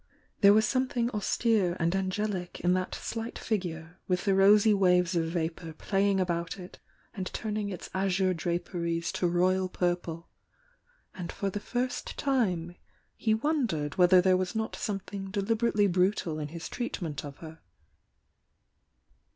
There wa.s something austere and angelic in that slight figure with the rosy waves of vapour playing about it and turning its azure draperies to royal purple, and for the first time he wondered whether there was not something deliberately brutal in his treatment of her.